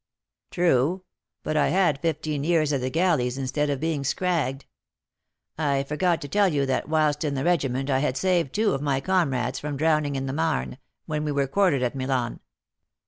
"True; but I had fifteen years at the galleys instead of being 'scragged.' I forgot to tell you that whilst in the regiment I had saved two of my comrades from drowning in the Marne, when we were quartered at Milan.